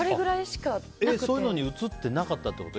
そういうのに写ってなかったってこと？